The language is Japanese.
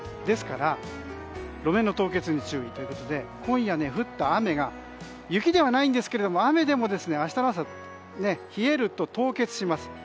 ですから路面凍結に注意ということで今夜、降った雨が雪ではないんですが雨でも明日の朝冷えると凍結します。